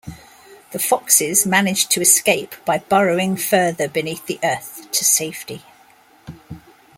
The Foxes manage to escape by burrowing further beneath the earth to safety.